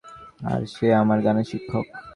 আর সে আমার গানের শিক্ষক।